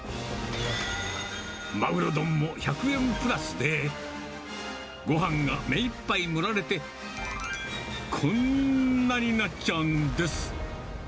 まぐろ丼も、１００円プラスで、ごはんが目いっぱい盛られて、こんなになっちゃうんです。